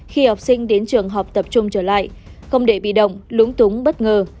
khi học sinh đến trường học tập trung trở lại không để bị động lúng túng bất ngờ